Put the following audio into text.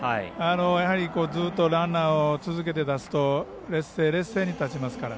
やはりずっとランナーを続けて出すと劣勢に立ちますから。